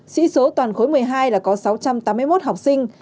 sĩ số toàn khối một mươi hai là có sáu trăm tám mươi một học sinh